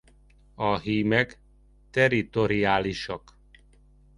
A hímek territoriálisak.